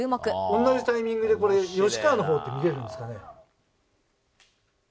おんなじタイミングでこれ、吉川のほうって、見れるんですかね。